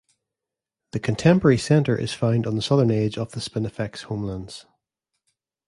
The contemporary centre is found on the southern edge of the Spinifex homelands.